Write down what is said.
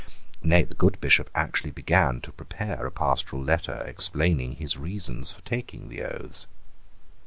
Nay, the good Bishop actually began to prepare a pastoral letter explaining his reasons for taking the oaths.